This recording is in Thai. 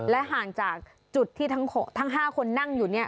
และห่างจากจุดที่ทั้งห้าคนนั่งอยู่นี่